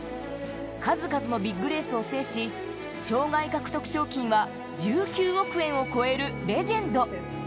数々のビッグレースを制し、生涯獲得賞金は１９億円を超えるレジェンド。